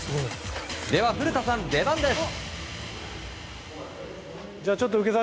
では、古田さん、出番です！